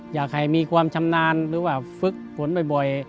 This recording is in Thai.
อยากให้มีความชำนาญหรือว่าฝึกฝนบ่อย